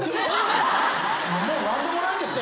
もう何でもないんですね